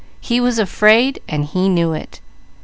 He was afraid, and he knew it.